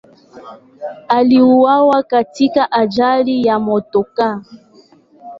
Aliuawa katika ajali ya motokaa.